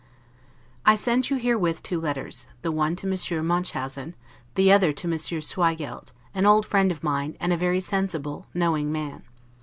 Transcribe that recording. I send you herewith two letters, the one to Monsieur Munchausen, the other to Monsieur Schweigeldt, an old friend of mine, and a very sensible knowing man.